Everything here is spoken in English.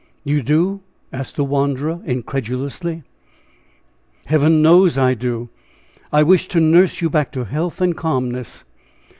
"You do?" asked the wanderer, incredulously. "Heaven knows I do! I wish to nurse you back to health and calmness."